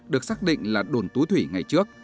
được xác định là đồn tú thủy ngày trước